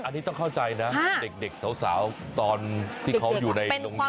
อันนี้ต้องเข้าใจนะเด็กสาวตอนที่เขาอยู่ในโรงเรียน